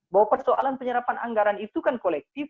bahwa persoalan penyerapan anggaran itu kan kolektif